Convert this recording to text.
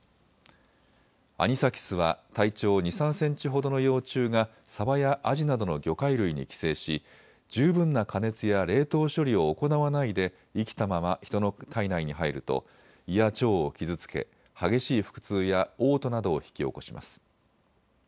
アニサキスは体長２、３センチほどの幼虫がサバやアジなどの魚介類に寄生し十分な加熱や冷凍処理を行わないで生きたまま人の体内に入ると胃や腸を傷つけ、激しい腹痛やおう吐などを引き起こします。